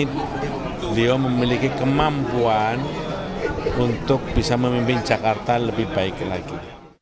beliau memiliki kemampuan untuk bisa memimpin jakarta lebih baik lagi